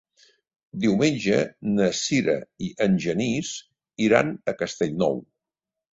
Diumenge na Sira i en Genís iran a Castellnou.